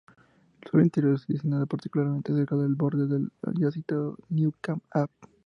El suelo interior es desigual, particularmente cerca del borde del ya citado "Newcomb A".